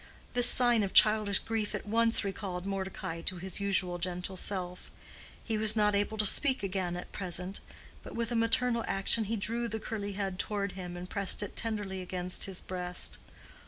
This sign of childish grief at once recalled Mordecai to his usual gentle self: he was not able to speak again at present, but with a maternal action he drew the curly head toward him and pressed it tenderly against his breast.